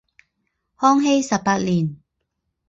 康熙十八年。